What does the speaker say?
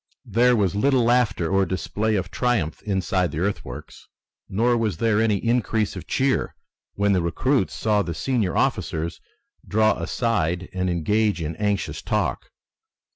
There was little laughter or display of triumph inside the earthworks, nor was there any increase of cheer when the recruits saw the senior officers draw aside and engage in anxious talk.